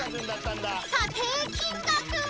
［査定金額は？］